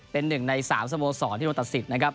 เป็น๑ใน๓สโมสรที่โดนตัดสิทธิ์นะครับ